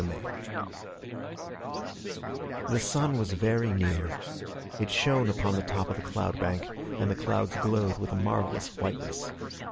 The sun was very near. It shone upon the top of the cloud bank and the clouds glowed with a marvelous whiteness.